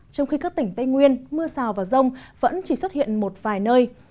trong khi các tỉnh tây nguyên mưa rào và rông vẫn chỉ xuất hiện một vài nơi